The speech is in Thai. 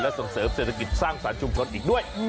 และส่งเสริมเศรษฐกิจสร้างศาลชุมชนอีกด้วย